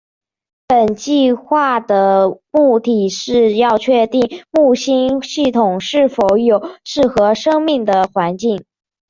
本计画的目的是要确认木星系统是否有适合生命的环境。